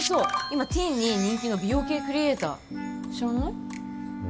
今ティーンに人気の美容系クリエイター知らない？